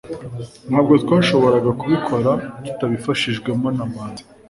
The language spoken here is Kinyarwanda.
ntabwo twashoboraga kubikora tutabifashijwemo na manzi